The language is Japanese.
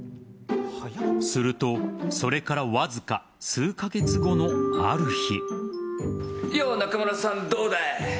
すると、それからわずか数カ月後のある日。